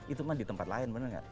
itu kan di tempat lain bener nggak